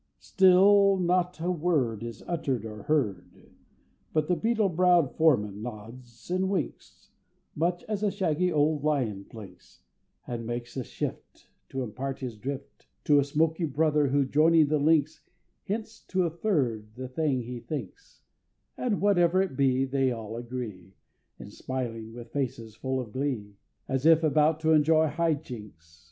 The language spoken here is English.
Still not a word Is utter'd or heard, But the beetle brow'd Foreman nods and winks, Much as a shaggy old Lion blinks, And makes a shift To impart his drift To a smoky brother, who, joining the links, Hints to a third the thing he thinks; And whatever it be, They all agree In smiling with faces full of glee, As if about to enjoy High Jinks.